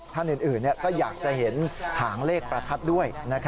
ท่านอื่นก็อยากจะเห็นหางเลขประทัดด้วย